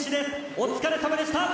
お疲れさまでした。